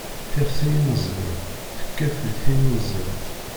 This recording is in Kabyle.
Tixsi yimmezlen, tekkat di tin uzan.